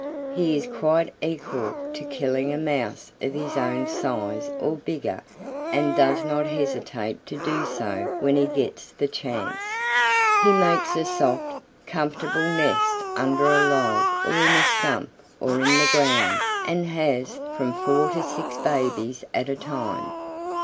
He is quite equal to killing a Mouse of his own size or bigger and does not hesitate to do so when he gets the chance. He makes a soft, comfortable nest under a log or in a stump or in the ground and has from four to six babies at a time.